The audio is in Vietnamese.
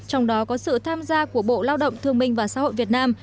trong đó có sự tham gia của bộ lao động thương minh và xã hội việt nam